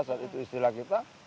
saat itu istilah kita